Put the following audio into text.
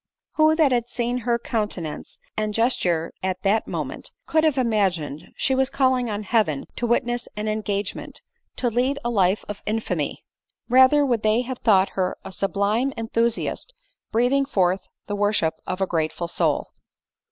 Who that had seen her countenance and gesture at that moment, could have imagined she was calling on heaven to witness an engagement to lead a life of infamy ? Ra 44 ADELINE MOWBRAY. ther would they have thought her a sublime enthusiast breathing forth the worship of a grateful soul.